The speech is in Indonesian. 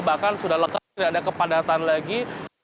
bahkan sudah lekat tidak ada kepadatan lagi